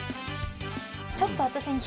ちょっと私に。